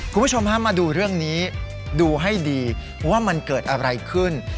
คุณผู้ชมฮะมาดูเรื่องนี้ดูให้ดีว่ามันเกิดอะไรขึ้น